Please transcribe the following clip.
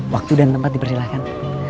waktu dan tempat di persilahkan